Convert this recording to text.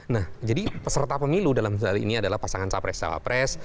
nah jadi peserta pemilu dalam hal ini adalah pasangan capres cawapres